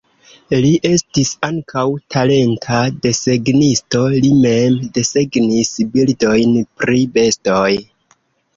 Li estis ankaŭ talenta desegnisto, li mem desegnis bildojn pri bestoj.